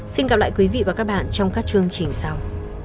xin gặp lại quý vị và các bạn trong các chương trình sau